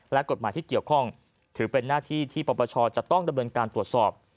และกฎหมายที่เกี่ยวข้องถือเป็นหน้าที่ที่ปปชจะต้องดำเนินการตรวจสอบ